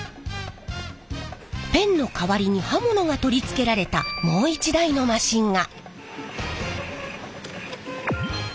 ペンの代わりに刃物が取り付けられたもう一台のマシンが。